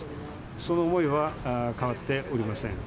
その思いは変わっておりません。